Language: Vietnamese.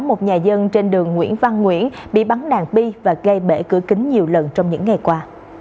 một nhà dân trên đường nguyễn văn nguyễn bị bắn đạn bi và gây bể cửa kính nhiều lần trong những ngày qua